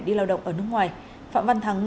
đi lao động ở nước ngoài phạm văn thắng